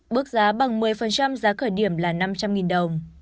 mức giá bằng một mươi giá khởi điểm là năm trăm linh đồng